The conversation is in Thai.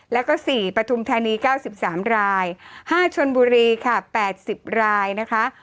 แล้วก็สี่ปฐุมธานีเก้าสิบสามรายห้าชนบุรีค่ะแปดสิบรายนะคะ